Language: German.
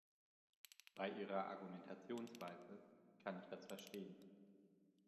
Bei ihrer Argumentationsweise kann ich das verstehen.